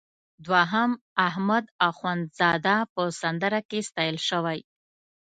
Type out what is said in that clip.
دوهم احمد اخوندزاده په سندره کې ستایل شوی.